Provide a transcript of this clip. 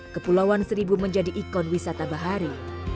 kepulauan seribu menjadi ikon wisata bahari